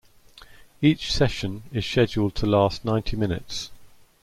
Each session is scheduled to last ninety minutes.